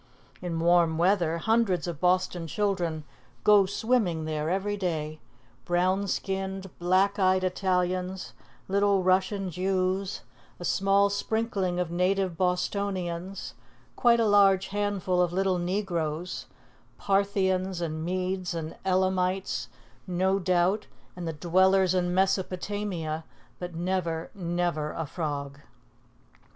In warm weather, hundreds of Boston children "go swimming" there every day, brown skinned, black eyed Italians, little Russian Jews, a small sprinkling of native Bostonians, quite a large handful of little negroes, "Parthians and Medes and Elamites," no doubt, and "the dwellers in Mesopotamia"; but never, never a frog.